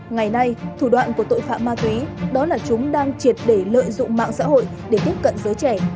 ngày nay thủ đoạn của tội phạm ma túy đó là chúng đang triệt để lợi dụng mạng xã hội để tiếp cận giới trẻ